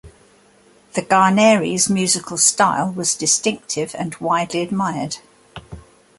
The Guarneri's musical style was distinctive and widely admired.